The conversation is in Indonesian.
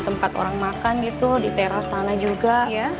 tempat orang makan gitu di teras sana juga